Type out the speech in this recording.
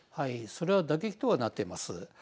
それは打撃とはなってます。